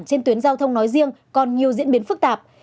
trên tuyến giao thông nói riêng còn nhiều diễn biến phức tạp